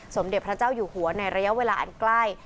สมเด็จพระเจ้าอยู่หัวในระยะเวลาอันใกล้